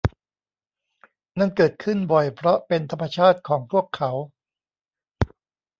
นั่นเกิดขึ้นบ่อยเพราะเป็นธรรมชาติของพวกเขา